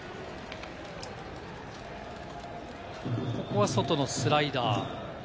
ここは外のスライダー。